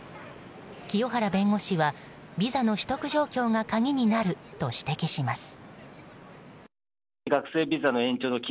清原弁護士はビザの取得状況が鍵になると指摘します。